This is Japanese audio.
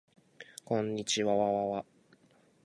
こんにちわわわわ